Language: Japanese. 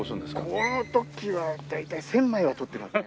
この時は大体１０００枚は撮ってますね。